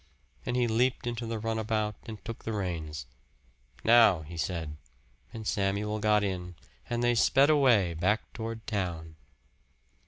And he leaped into the runabout and took the reins. "Now," he said; and Samuel got in, and they sped away, back toward town.